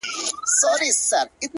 وړونه مي ټول د ژوند پر بام ناست دي؛